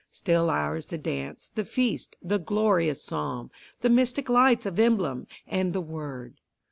Still ours the dance, the feast, the glorious Psalm, The mystic lights of emblem, and the Word.